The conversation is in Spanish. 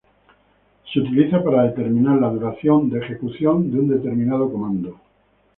Se utiliza para determinar la duración de ejecución de un determinado comando.